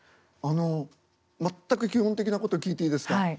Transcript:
あの全く基本的なこと聞いていいですか？